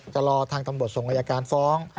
รอทางตำรวจส่งอายการฟ้อง